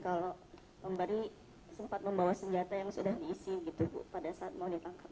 kalau lembari sempat membawa senjata yang sudah diisi gitu bu pada saat mau ditangkap